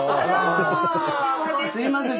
すいません。